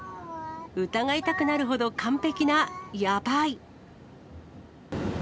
疑いたくなるほど完璧な、やばい。